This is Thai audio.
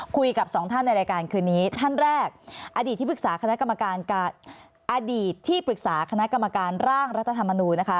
คุยกับ๒ท่านในรายการคืนนี้ท่านแรกอดีตที่ปรึกษาคณะกรรมการร่างรัฐธรรมนูล์นะคะ